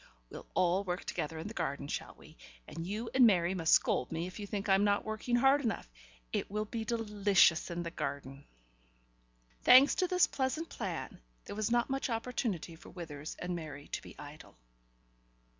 We'll all work together in the garden, shall we, and you and Mary must scold me if you think I'm not working hard enough. It will be delicious in the garden." Thanks to this pleasant plan, there was not much opportunity for Withers and Mary to be idle.